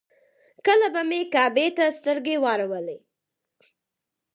کله به مې کعبې ته سترګې واړولې.